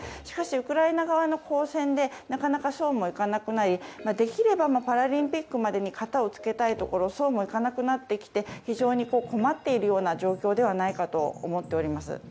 しかしウクライナ側の交戦でなかなかそうもいかなくなりできればパラリンピックまでにかたをつけたいところそうもいかなくなってきて非常に困っているような状況ではないかと思っております。